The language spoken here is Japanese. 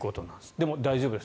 でも大丈夫です。